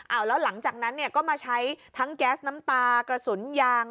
เอาแล้วหลังจากนั้นเนี่ยก็มาใช้ทั้งแก๊สน้ำตากระสุนยาง